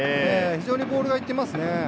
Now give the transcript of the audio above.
非常にボールが行ってますね。